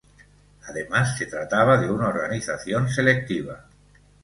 Además, se trataba de una organización selectiva.